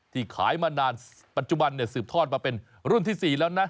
ขายมานานปัจจุบันสืบทอดมาเป็นรุ่นที่๔แล้วนะ